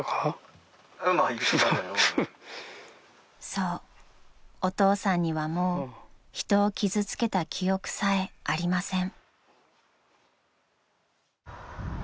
［そうお父さんにはもう人を傷つけた記憶さえありません］